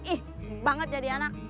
ih banget jadi anak